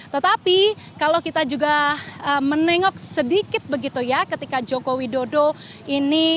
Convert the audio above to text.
tetapi kalau kita juga menengok sedikit begitu ya ketika joko widodo ini